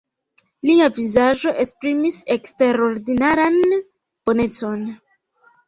Lia vizaĝo esprimis eksterordinaran bonecon.